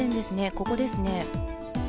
ここですね。